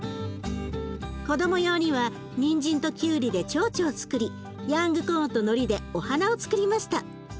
子ども用にはにんじんときゅうりでちょうちょをつくりヤングコーンとのりでお花をつくりました。